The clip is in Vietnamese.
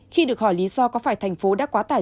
khi được hỏi lý do có phải thành phố đã quá tải